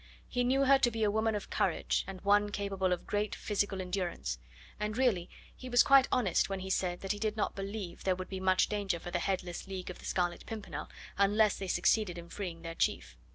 He knew her to be a woman of courage, and one capable of great physical endurance; and really he was quite honest when he said that he did not believe there would be much danger for the headless League of the Scarlet Pimpernel unless they succeeded in freeing their chief.